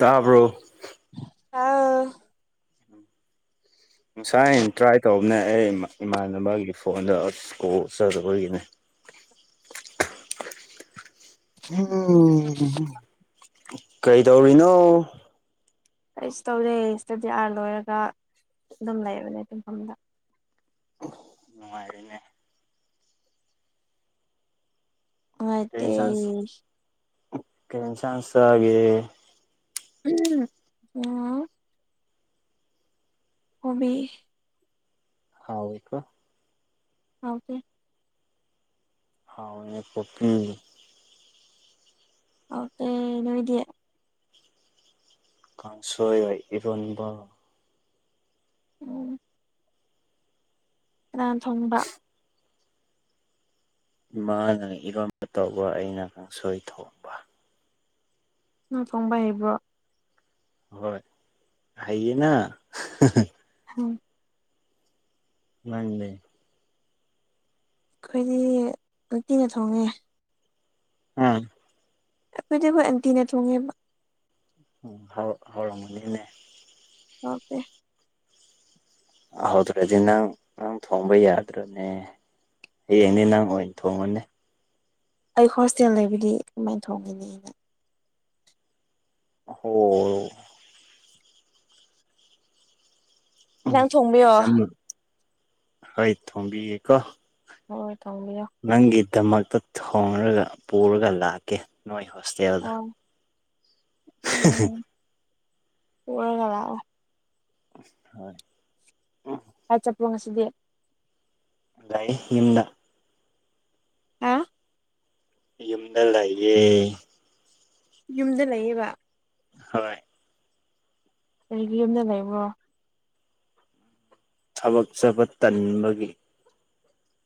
ꯇꯥꯕ꯭ꯔꯣ ꯑꯥ ꯉꯁꯥꯏ ꯇ꯭ꯔꯥꯏ ꯇꯧꯕꯅꯦ ꯑꯩ ꯏꯃꯥꯟꯅꯕꯒꯤ ꯐꯣꯟꯗ ꯑ ꯀꯣꯜꯆꯔꯣꯏꯒꯤꯅꯤ ꯎꯝ ꯀꯩ ꯇꯧꯔꯤꯅꯣ ꯀꯁꯨ ꯇꯧꯗꯦ ꯏꯁꯇꯗꯤ ꯑꯥꯔ ꯂꯣꯏꯔꯒ ꯑꯗꯨꯝ ꯂꯩꯕꯅꯦ ꯇꯨꯡꯐꯝꯗ ꯅꯨꯡꯉꯥꯏꯔꯤꯅꯦ ꯅꯨꯡꯉꯥꯏꯇꯦ [unintelligible] ꯎꯝ ꯑ ꯍꯕꯤ [unintelligible] ꯍꯥꯎꯏꯀꯣ ꯍꯥꯎꯇꯦ ꯍꯥꯎ ꯌꯦ ꯄꯀꯤ ꯍꯥꯎꯇꯦ ꯅꯣꯏꯗꯦ ꯀꯥꯡꯁꯣꯏ ꯏꯔꯣꯟꯕ ꯎꯝ ꯀꯥꯅꯥꯅ ꯊꯣꯡꯕ ꯏꯃꯥꯅ ꯏꯔꯝꯕ ꯇꯧꯕ ꯑꯩꯅ ꯀꯥꯡꯁꯣꯏ ꯊꯧ ꯅ ꯊꯣꯡꯕ ꯍꯩꯕ꯭ꯔꯣ ꯍꯣꯏ ꯍꯥꯏꯌꯦꯅ ꯎꯝ ꯅꯡꯗꯤ ꯑꯩꯈꯣꯏꯗꯤ ꯇꯤꯅ ꯊꯣꯡꯉꯦ [unintelligible] ꯎꯝ ꯑꯩꯈꯣꯏꯗꯤꯕꯨ ꯑꯟꯇꯤꯅ ꯊꯣꯡꯉꯦꯕ ꯎ ꯍꯧꯔꯝꯃꯅꯤꯅꯦ ꯍꯥꯎꯇꯦ ꯑꯍꯧꯗ꯭ꯔꯗꯤ ꯅꯪ ꯅꯪ ꯊꯣꯡꯕ ꯌꯥꯗ꯭ꯔꯅꯦ ꯌꯦꯡꯅꯦ ꯅꯪ ꯑꯣꯏꯅ ꯊꯣꯡꯉꯅꯦ ꯑꯩ ꯍꯣꯁꯇꯦꯜ ꯂꯩꯕꯗꯤ ꯀꯃꯥꯏꯅ ꯊꯣꯡꯒꯅꯤ ꯑꯩꯅ ꯍꯣ ꯎꯝ ꯅꯪ ꯊꯣꯡꯕꯤꯌꯣ ꯑꯦꯛꯖꯝ ꯍꯥꯏꯣꯏ ꯊꯣꯡꯕꯤꯒꯦ ꯀ ꯍꯣꯏ ꯍꯣꯏ ꯊꯣꯡꯕꯤꯔꯣ ꯅꯪꯒꯤꯗꯃꯛꯇ ꯊꯣꯡꯔꯒ ꯄꯨꯔꯒ ꯂꯥꯛꯀꯦ ꯅꯣꯏ ꯍꯣꯁꯇꯦꯜꯗ ꯍꯣꯏ ꯎꯝ ꯄꯨꯔꯒꯥ ꯂꯥꯛ ꯑꯣ ꯍꯣꯏ ꯍꯥꯏꯠ ꯆꯠꯄ꯭ꯔꯣ ꯉꯁꯤꯗꯤ ꯑꯗꯨꯥꯏ ꯅꯤꯡꯗ [unintelligible] ꯍꯥ ꯌꯨꯝꯗ ꯂꯩꯏꯌꯦ ꯌꯨꯝꯗ ꯂꯩꯌꯦꯕ ꯍꯥꯏ ꯀꯔꯤꯒꯤ ꯌꯨꯝꯗ ꯂꯩꯕ꯭ꯔꯣ ꯊꯕꯛ ꯆꯠꯕ ꯇꯟꯕꯒꯤ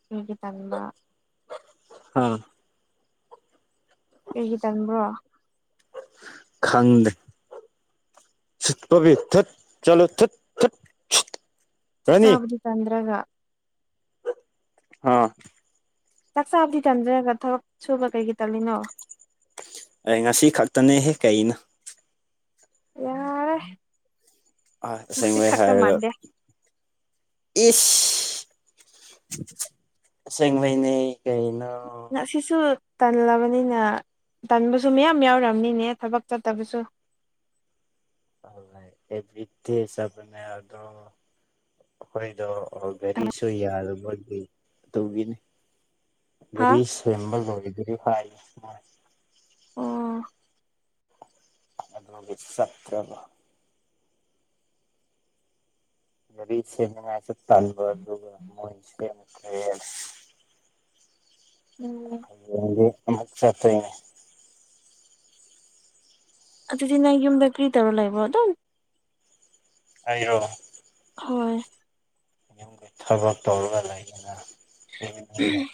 ꯀꯔꯤꯒꯤ ꯇꯟꯕ ꯑꯥ ꯀꯔꯤꯒꯤ ꯇꯟꯕꯔꯣ ꯈꯪꯗꯦ ꯎꯁꯤꯠꯇꯕꯤ ꯊꯠ ꯆꯂꯣ ꯊꯠ ꯊꯠ [unintelligible] ꯆꯥꯛ ꯔꯥꯅꯤ ꯆꯥꯕꯗꯤ ꯇꯟꯗ꯭ꯔꯒ ꯑꯥ ꯆꯥꯛꯆꯥꯥꯕꯨꯗꯤ ꯇꯟꯖꯔꯒ ꯊꯕꯛ ꯁꯨꯕ ꯀꯩ ꯀꯩ ꯇꯠꯂꯤꯅꯣ ꯑꯩ ꯉꯁꯤ ꯈꯛꯇꯅꯦꯍꯦ ꯀꯩꯅ ꯌꯥꯔꯦ ꯑ ꯉꯁꯤ ꯑꯁꯦꯡꯕꯩ ꯈꯛꯇ ꯍꯥꯏꯔꯒ ꯃꯥꯟꯗꯦ ꯏꯁ ꯑꯁꯦꯡꯕꯩꯅꯦ ꯀꯩꯩꯅꯣ ꯑꯁꯤꯁꯨ ꯇꯜꯂꯕꯅꯤꯅ ꯇꯟꯕꯁꯨ ꯃꯌꯥꯝ ꯌꯥꯎꯅꯤꯅꯦ ꯊꯕꯛ ꯆꯠꯇꯕꯁꯨ ꯑ ꯑꯦꯕ꯭ꯔꯤꯠꯇꯤ ꯍꯤꯁꯥꯕꯅꯦ ꯑꯗ ꯍꯣꯏꯗ [unintelligible] ꯑꯣ ꯒꯥꯔꯤꯁꯨ ꯌꯥꯗꯕꯒꯤ ꯑꯗꯨꯒꯤꯅꯤ ꯍꯥ ꯒꯥꯔꯤ ꯁꯤꯕꯜ ꯂꯣꯏꯗꯔꯤ ꯍꯥꯏ ꯑꯣ ꯑꯗꯨꯅ ꯆꯇ꯭ꯔꯕ ꯑꯗꯨꯔꯤꯁꯦ ꯉꯥꯏꯁꯨ ꯇꯜꯕ ꯑꯗꯨꯒ ꯃꯣꯏꯁ ꯈ ꯎꯝ ꯗꯤ ꯁꯦꯠꯇꯦ [unintelligible] ꯑꯗꯨꯗꯤ ꯅ ꯌꯨꯝꯗ ꯀ꯭ꯔꯤ ꯇꯧꯔ ꯂꯩꯕꯣ ꯑꯗꯨꯝ ꯑꯩꯔꯣ ꯍꯣꯏ ꯌꯨꯝꯒꯤ ꯊꯕꯛ ꯇꯧꯔꯒ ꯂꯩꯗꯅ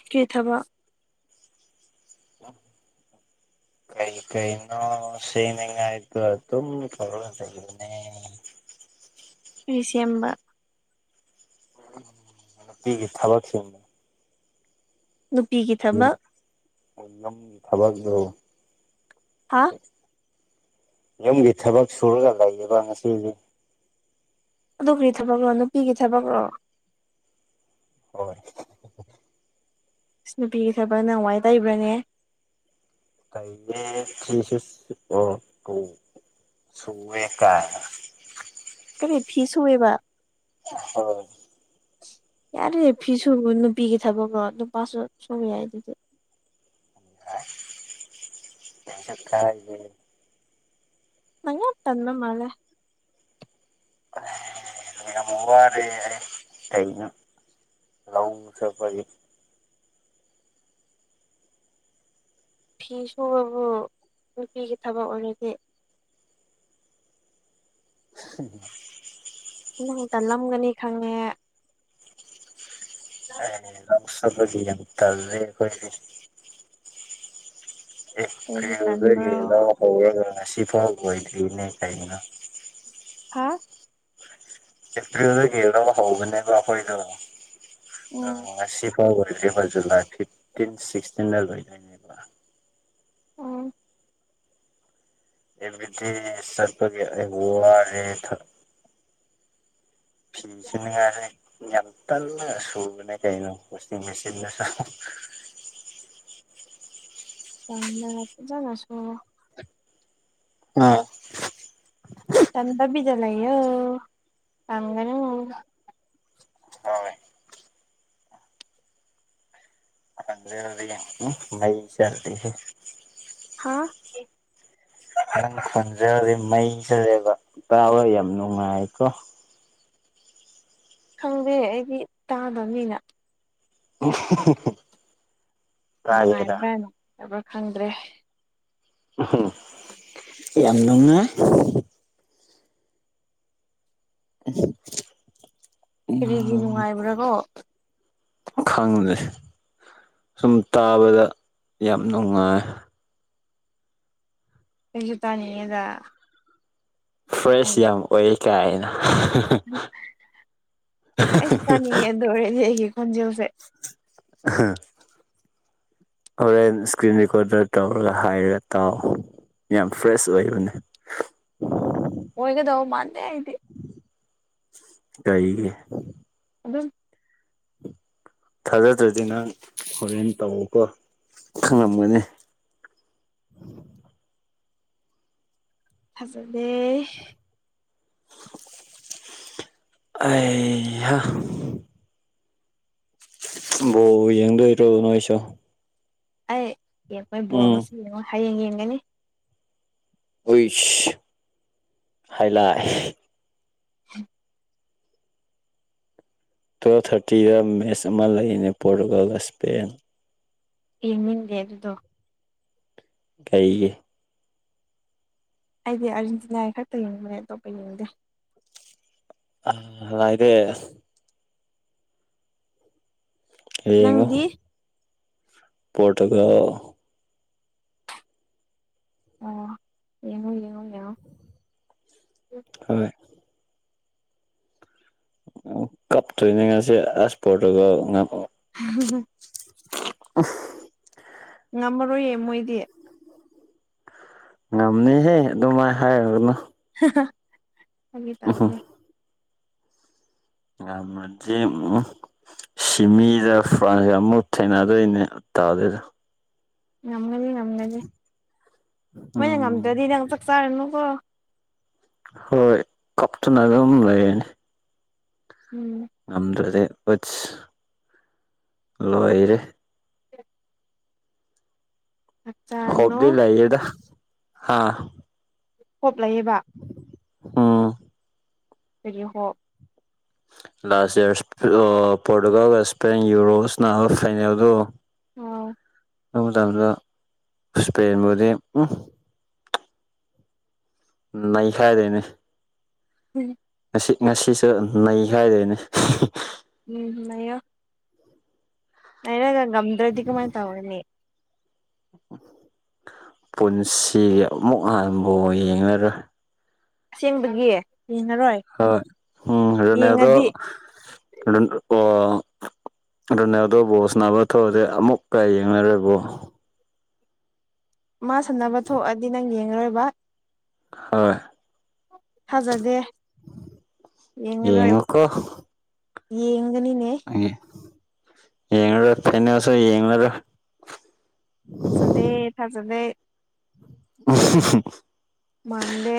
ꯀꯔꯤ ꯊꯕꯛ ꯑ [inaudible] ꯀꯔꯤ ꯀꯔꯤꯅꯣ ꯁꯦꯝꯅꯤꯡꯉꯥꯢ ꯗ ꯑꯗꯨꯝ ꯇꯧꯔꯒ ꯂꯩꯕꯅꯦ ꯀꯔꯤ ꯁꯦꯝꯕ ꯅꯨꯄꯤꯒꯤ ꯊꯕꯛꯁꯤꯡꯅꯦ ꯅꯨꯄꯤꯒꯤ ꯊꯕꯛ ꯎꯅꯝꯒꯤ ꯊꯕꯛꯂꯣ ꯍꯥꯥ ꯌꯨꯝꯒꯤ ꯊꯕꯛ ꯁꯨꯔꯒ ꯂꯩꯌꯦꯕ ꯉꯁꯤꯗꯤ ꯑꯗꯨꯒꯤ ꯊꯕꯛꯔꯣ ꯅꯨꯄꯤꯒꯤ ꯊꯕꯛꯔꯣ ꯍꯣꯏ ꯏꯁ ꯅꯨꯄꯤ ꯊꯕꯛꯅ ꯋꯥꯏ ꯇꯩꯕ꯭ꯔꯅꯦ ꯀꯩꯅꯦ ꯊ꯭ꯔꯤ ꯁꯤꯛꯁ ꯐ ꯇꯨ ꯁꯨꯋ ꯀ [unintelligible] ꯀꯔꯤ ꯐꯤ ꯁꯨꯏꯦꯕ ꯍꯣꯢ ꯌꯥꯔꯦ ꯐꯤꯁꯨ ꯅꯨꯄꯤꯒꯤ ꯊꯕꯛꯀꯣ ꯅꯨꯄꯥꯁꯨ ꯁꯨꯕ ꯌꯥꯏ ꯑꯗꯨꯗꯤ ꯑ ꯀꯩꯁꯨ ꯀꯥꯢꯗꯦ ꯅꯪ ꯌꯥꯝ ꯇꯟꯕ ꯃꯥꯟꯂꯦ ꯑꯍꯦ ꯌꯥꯝ ꯋꯥꯔꯦ ꯀꯩꯅꯣ ꯔꯥꯎ ꯆꯠꯄꯒꯤ ꯐꯤ ꯁꯨꯕꯕꯨ ꯅꯨꯄꯤꯒꯤ ꯊꯕꯛ ꯑꯣꯏꯔꯗꯤ [inaudible] ꯅꯪ ꯇꯜꯂꯝꯒꯅꯤ ꯈꯪꯉꯦ ꯍꯦ ꯂꯧ ꯁꯨꯕꯒꯤ ꯌꯥꯝ ꯇꯟꯂꯦ ꯀꯩꯒꯤ ꯔꯤ ꯇꯟꯕ꯭ꯔꯣ ꯐ ꯉꯁꯤ ꯐꯥꯎꯒ ꯑꯣꯏꯗꯔꯤꯅꯦ ꯀꯩꯏꯅꯣ ꯍꯥꯥ ꯑꯦꯄ꯭ꯔꯤꯜꯗꯒꯤ ꯂꯧ ꯍꯧꯕꯅꯦꯕ ꯑꯩꯈꯣꯏꯗꯣ ꯑ ꯎꯝ ꯑꯁꯤꯁꯤꯐꯥꯎ ꯑꯣꯏꯗ꯭ꯔꯤ ꯐ ꯖꯨꯂꯥꯏ ꯐꯤꯞꯇꯤꯟ ꯁꯤꯛꯁꯇꯤꯟꯗ ꯂꯣꯏꯣꯏꯅꯦ ꯎꯝ ꯑꯦ ꯗꯤ ꯁꯄ ꯋꯥ ꯐꯤ ꯌꯥꯔꯦ ꯌꯦꯇꯂ ꯁꯨꯅ ꯀꯣ ꯋꯥ ꯃꯦꯁꯤꯟ ꯁ ꯊꯝꯅꯖꯁꯨꯣ ꯎꯝ ꯇꯥꯟꯗꯕꯤꯗ ꯂꯩꯌꯣ ꯇꯥꯟꯒꯅꯣ ꯍꯣꯢ ꯃꯩ ꯆꯠꯂꯤꯍꯦ ꯍꯥꯥ ꯅꯪ ꯈꯣꯟꯖꯦꯜꯗꯣ ꯃꯩ ꯆꯠꯂꯦꯕ ꯇꯥꯕ ꯌꯥꯝ ꯅꯨꯡꯉꯥꯏꯀꯣ ꯈꯪꯗꯦ ꯑꯩꯗꯤ ꯇꯥꯗꯕꯅꯤꯅ [unintelligible] ꯇꯥꯒꯦꯔꯥ ꯅꯨꯡꯉꯥꯏꯕ꯭ꯔꯥ ꯅꯨꯡꯉꯥꯏꯕ꯭ꯔꯥ ꯈꯪꯗ꯭ꯔꯦ ꯌꯥꯝꯗꯅꯨꯡꯉ [unintelligible] ꯀꯔꯤꯒꯤ ꯅꯨꯡꯉꯥꯏꯕ꯭ꯔꯥ ꯀꯣ ꯈꯪꯗꯦ ꯁꯨꯝ ꯇꯥꯕꯗ ꯌꯥꯝ ꯅꯨꯡꯉꯥꯏ ꯀꯩꯁꯨ ꯇꯥꯅꯤꯡꯉꯦꯗ ꯑꯩ ꯐ꯭ꯔꯦꯁ ꯌꯥꯝ ꯑꯣꯏ ꯀꯥꯏ ꯑꯩꯅ ꯑꯩꯁꯨ ꯆꯥꯅꯤꯡꯉꯦꯗ ꯑꯣꯏꯔꯦꯗꯤ ꯑꯩꯒꯤ ꯈꯣꯟꯖꯦꯜꯁꯦ [unintelligible] ꯍꯣꯔꯦꯟ ꯏꯁꯀ꯭ꯔꯤꯟ ꯔꯦꯀꯣꯔꯗꯔ ꯇꯧꯔꯒ ꯍꯥꯏꯔꯒ ꯇꯥꯎ ꯌꯥꯝ ꯐ꯭ꯔꯦꯁ ꯑꯣꯏꯕꯅꯦ ꯑꯣꯏꯒꯗꯕ ꯃꯥꯟꯗꯦ ꯍꯥꯏꯗꯤ ꯀꯩꯏꯒꯤ ꯑꯗꯨꯝ ꯊꯥꯖꯗ꯭ꯔꯗꯤ ꯅꯪ ꯍꯣꯔꯦꯟ ꯇꯧꯀꯣ ꯈꯪꯉꯝꯒꯅꯤ ꯊꯖꯗꯦ ꯑꯩꯍꯥ ꯕ ꯌꯦꯡꯗꯣꯏꯗ꯭ꯔꯣ ꯅꯣ ꯑꯩꯁꯨ ꯑꯩ ꯌꯦꯡꯉꯣꯏ ꯕꯣꯔ ꯎꯝ ꯉꯁꯨ ꯌꯦꯡꯉꯣꯏ ꯍꯌꯦꯡ ꯌꯦꯡꯒꯅꯤ ꯎꯋꯤꯁ ꯍꯥꯏꯥꯏꯂꯥꯏ [inaudible] ꯇꯨꯌꯦꯜꯞ ꯊꯥꯔꯇꯤꯗ ꯃꯦꯠꯆ ꯑꯃ ꯂꯩꯅꯦ ꯄꯣꯔꯇꯨꯒꯜꯒ ꯏꯁꯄꯦꯟ ꯌꯦꯡꯅꯤꯡꯗꯦ ꯑꯗꯨꯗꯣ ꯀꯩꯒꯤ ꯑꯩꯗꯤ ꯑꯥꯔꯖꯦꯟꯇꯤꯅꯥꯒꯤ ꯈꯛꯇ ꯌꯦꯡꯕꯅꯦ ꯑꯇꯣꯞꯄ ꯌꯦꯡꯗꯦ ꯑ ꯂꯥꯏꯗꯦ ꯑꯁ ꯌꯦꯡꯉꯨ ꯅꯪꯗꯤ ꯄꯣꯔꯇꯨꯒꯜ ꯑꯣꯥ ꯌꯦꯡꯉꯨ ꯌꯦꯡꯉꯨ ꯌꯦꯡꯉꯣ ꯍꯣꯏ ꯑꯣ ꯀꯞꯇꯣꯏꯅꯦ ꯉꯁꯤ ꯑꯁ ꯄꯣꯔꯇꯨꯒꯜ ꯉꯝꯍꯧ [unintelligible] [unintelligible] ꯉꯝꯃꯔꯣꯏꯌꯦ ꯃꯣꯏꯗꯤ ꯉꯝꯅꯤꯍꯦ ꯑꯗꯨꯃꯥꯏ ꯍꯥꯏꯔꯒꯅꯨ ꯐꯥꯒꯤ ꯇꯧꯕꯅꯦ ꯉꯝꯃꯗꯤ ꯎꯝ ꯁꯤꯃꯤꯗ ꯐ꯭ꯔꯥꯟꯒ ꯑꯃꯨꯛ ꯊꯦꯡꯅꯗꯣꯏꯅꯦ ꯇꯥꯗꯦꯗ ꯉꯝꯒꯅꯤ ꯉꯝꯒꯅꯤ ꯃꯣꯏꯅ ꯎꯝ ꯉꯝꯗ꯭ꯔꯗꯤ ꯅꯪ ꯆꯥꯛ ꯆꯥꯔꯅꯨꯀꯣ ꯍꯣꯏ ꯀꯞꯇꯅ ꯑꯗꯨꯝ ꯂꯩꯔꯅꯤ ꯎꯝ ꯉꯝꯗ꯭ꯔꯗꯤ ꯎꯠꯁ ꯂꯣꯏꯔꯦ [unintelligible] ꯆꯥꯛ ꯆꯥꯔꯅꯨ ꯍꫭꯞꯗꯤ ꯂꯩꯌꯦꯗ ꯍꯥ ꯍꯣꯞ ꯂꯩꯌꯦꯕ ꯎꯝ ꯀꯩꯒꯤ ꯍꯣꯞ ꯂꯥꯁ ꯏꯌ꯭ꯔꯁ ꯑ ꯄꯣꯔꯇꯨꯒꯜꯒ ꯏꯁꯄꯦꯟꯒꯤ ꯌꯨꯔꯣꯁ ꯁꯥꯅꯕ ꯐꯩꯅꯦꯜꯗꯣ ꯑꯧ ꯑꯗꯨ ꯃꯇꯝꯗ ꯏꯁꯄꯦꯟꯕꯨꯗꯤ ꯎꯝ ꯅꯩꯈꯥꯏꯗꯨꯏꯅꯤ [unintelligible] ꯉꯁꯤ ꯉꯁꯤꯁꯨ ꯅꯩꯈꯥꯏꯗꯣꯏꯅꯤ ꯎꯝ ꯅꯩꯌꫭ ꯅꯩꯔꯒ ꯉꯝꯗ꯭ꯔꯗꯤ ꯀꯃꯥꯏ ꯇꯧꯒꯅꯤ ꯄꯨꯟꯁꯤꯒꯤ ꯑꯃꯨꯛ ꯍꯟ ꯕꯣꯟ ꯌꯦꯡꯉꯔꯣꯏ ꯑꯁꯦꯡꯕꯒꯤ ꯌꯦꯡꯉꯔꯣꯏ ꯍꯣꯏ ꯎꯝ ꯔꫭꯅꯥꯜꯗꫭ ꯌꯦꯡꯉꯗꯤ ꯔꯨꯟ ꯑꯣ ꯔꫭꯅꯥꯜꯗꯣ ꯕꯣꯜ ꯁꯥꯟꯅꯕ ꯊꯣꯛꯑꯗꯤ ꯑꯃꯨꯛꯀ ꯌꯦꯡꯉꯔꯣꯏꯕꯣ ꯃꯥ ꯁꯥꯟꯅꯕ ꯊꯣꯛꯑꯗꯤ ꯅꯪ ꯌꯦꯡꯉꯔꯣꯏꯕꯥ ꯍꯣꯏ ꯊꯥꯖꯗꯦ ꯌꯦꯡꯉꯔꯣꯏ ꯌꯦꯡꯉꯨꯀꯣ ꯌꯦꯡꯒꯅꯤꯅꯦ ꯑꯦ ꯌꯦꯡꯉꯔꯣꯏ ꯐꯥꯏꯅꯦꯜꯁꯨ ꯌꯦꯡꯉꯔꯣꯏ ꯐꯖꯗꯦ ꯊꯥꯖꯗꯦ [unintelligible] ꯃꯥꯟꯗꯦ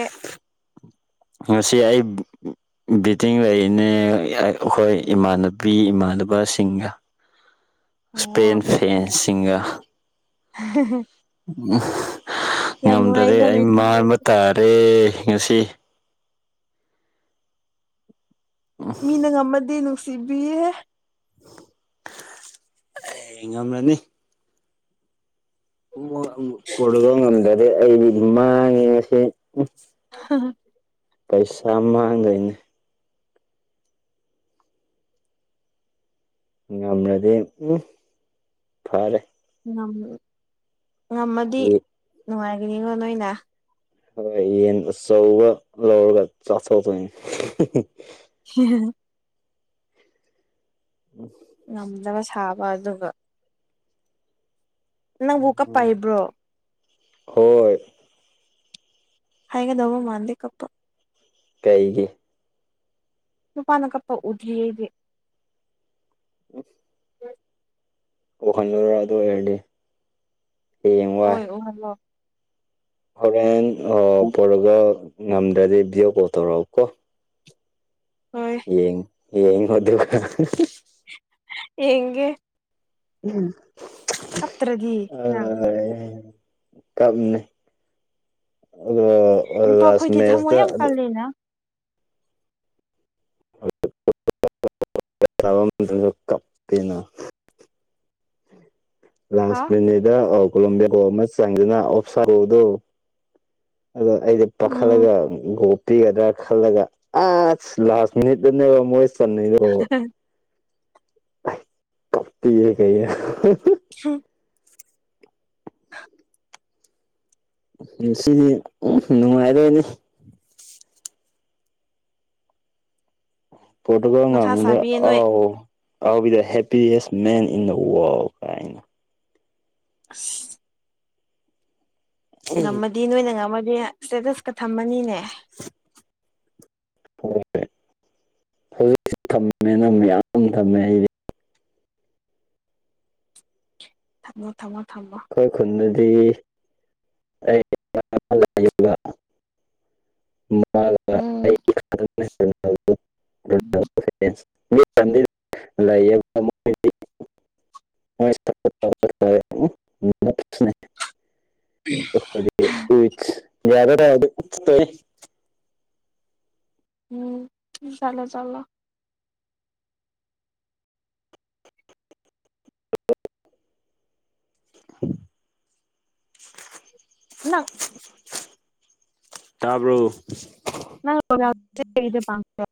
ꯉꯁꯤ ꯑꯩ ꯕꯨ ꯕꯤꯇꯤꯡ ꯂꯩꯅꯦ ꯑꯩꯈꯣꯏ ꯏꯃꯥꯟꯅꯕꯤ ꯏꯃꯥꯟꯅꯕꯁꯤꯡꯒ [inaudible] ꯏꯁꯄꯦꯟ ꯑꯣ ꯐꯦꯟꯁꯁꯤꯡꯒꯥ [unintelligible] ꯎꯝ ꯌꯥꯝ ꯉꯝꯗꯔꯦ ꯅꯨꯡꯉꯥꯏꯀꯣ ꯑꯩ ꯅꯣꯏꯗꯨꯗꯤ ꯃꯥꯟꯕ ꯇꯥꯔꯦ ꯉꯁꯤ ꯃꯤꯅ ꯉꯝꯃꯗꯤ ꯅꯨꯡꯁꯤꯕꯤꯌꯦ INAUDIBLE ꯑꯦ ꯉꯝ꯭ꯔꯅꯤ ꯄꯨꯔꯞ ꯉꯝꯗꯔꯦ ꯑꯩꯗꯤ ꯃꯥꯡꯉꯦ ꯉꯁꯤ ꯎ ꯍ ꯄꯩꯁꯥ ꯃꯥꯡꯗꯣꯏꯅꯦ ꯉꯝꯔꯗꯤ ꯎꯝ ꯐꯔꯦ ꯉꯝ ꯉꯝꯃꯗꯤ ꯌꯦ- ꯅꯨꯡꯉꯥꯏꯅꯤꯅ ꯅꯣꯏꯅ ꯍꯣꯏ ꯌꯦꯟ ꯑꯆꯧꯕ ꯂꯧꯔꯒ ꯆꯥꯊꯣꯛꯇꯣꯏꯅꯤ ꯍꯦ [unintelligible] ꯎꯝ ꯉꯝꯗꯕ ꯁꯥꯕ ꯑꯗꯨꯒ ꯅꯪꯕꯨ ꯀꯞꯄꯥ ꯍꯩꯕ꯭ꯔꯣ ꯍꯣꯏ ꯍꯩꯒꯗꯧꯕ ꯃꯥꯟꯗꯦ ꯀꯞꯄ ꯀꯩꯒꯤ ꯅꯨꯄꯥꯅ ꯀꯞꯄꯥ ꯎꯗ꯭ꯔꯤ ꯑꯩꯗꯤ ꯑ [unintelligible] ꯎꯍꯜꯂꯨꯔꯥ ꯑꯗꯨ ꯑꯣꯏꯔꯗꯤ ꯍꯌꯦꯡ ꯋꯥꯏ ꯑꯣ ꯎꯍꯜꯂꯣ ꯍꯣꯔꯦꯟ ꯄꯨꯔꯒ ꯉꯝꯗ꯭ꯔꯗꯤ ꯚꯤꯗꯤꯌꯣ ꯀꯣꯜ ꯇꯧꯔꯛꯑꯣ ꯀꯣ ꯍꯣꯏ ꯌꯦꯡ ꯌꯦꯡꯉꯣ ꯑꯗꯨꯒ ꯌꯦꯡꯒꯦ ꯎꯝ [unintelligible] ꯀꯥꯞꯇꯔꯗꯤ ꯅꯪ ꯀꯞꯅꯤ ꯑ ꯂꯥꯁ ꯅꯨꯄꯥꯈꯣꯏꯗꯤ ꯊꯃꯣꯏ ꯃꯦꯁꯇ ꯌꯥꯝ ꯀꯜꯂꯤꯅ ꯊ [unintelligible] ꯀꯩꯅꯣ ꯍꯥ ꯂꯥꯁ ꯃꯤꯅꯤꯗ ꯀꯣꯂꯣꯕꯦꯒꯣ ꯑꯃ ꯆꯪꯗꯨꯅ ꯑꯣꯞꯁꯥꯒꯣꯗ ꯑꯗꯣ ꯑꯩꯗ ꯎꯝ ꯄꯈꯠꯂꯒ ꯄꯤꯒꯗ꯭ꯔꯥ ꯈꯜꯂꯒ ꯑꯁ ꯂꯥꯁ ꯃꯤꯅꯤꯠꯇꯅꯦꯕ ꯃꯣꯏ ꯆꯟꯅꯩꯗꯣ ꯄꯞꯄꯤꯤ ꯀꯩꯦ [unintelligible] ꯁꯨ [inaudible] ꯉꯁꯤꯅꯤ ꯅꯨꯡꯉꯥꯏꯗꯣꯏꯅꯤ ꯄꯣꯇꯨꯒꯜ ꯃꯊꯥ ꯉꯝꯗ꯭ꯔꯦ ꯁꯥꯕꯤꯌꯦ ꯅꯣꯏ ꯑꯧ ꯑꯥꯎ ꯕꯤ ꯗ ꯍꯦꯞꯄꯤꯌꯦꯁ ꯃꯦꯟ ꯏꯟ ꯗ ꯋꯥꯋꯔꯜ ꯀꯥꯏꯅ ꯑꯁ ꯉꯝꯃꯗꯤ ꯅꯣꯏꯅ ꯉꯝꯃꯗꯤ ꯏꯁꯇꯦꯇꯁꯀ ꯊꯝꯃꯅꯤꯅꯦ ꯍꯣꯏ ꯍꯧꯖꯤꯛ ꯊꯝꯃꯦꯅ ꯃꯌꯥꯝ ꯊꯝꯃꯦ ꯑꯩꯗꯤ ꯊꯝꯃꯣ ꯊꯝꯃꯣ ꯊꯝꯃꯣ ꯑꯩꯈꯣꯏ ꯈꯨꯟꯗꯗꯤ ꯑꯩ [unintelligible] ꯎꯝ ꯃꯥ [unintelligible] ꯂꯩꯌꯦ [unintelligible] ꯎꯦ [inaudible] ꯁꯅꯦ [unintelligible] ꯎ [inaudible] ꯌꯥꯔꯔ ꯎꯝ ꯆꯂꯣ ꯆꯂꯣ [inaudible] ꯅ ꯇꯥꯕꯣ ꯅ ꯑ ꯄꯥꯡꯦ